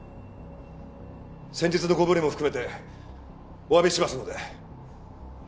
先日のご無礼も含めてお詫びしますので。